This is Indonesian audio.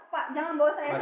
pak jangan bawa saya